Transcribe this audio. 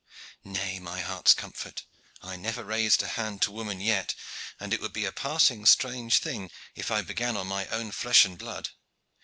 "Nay, my heart's comfort, I never raised hand to woman yet, and it would be a passing strange thing if I began on my own flesh and blood.